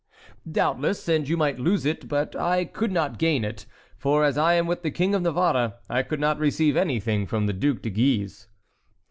"Doubtless, and you might lose it, but I could not gain it; for, as I am with the King of Navarre, I could not receive anything from the Duc de Guise."